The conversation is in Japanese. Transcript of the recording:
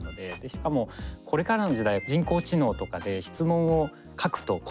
しかもこれからの時代人工知能とかで質問を書くと答えてくれる。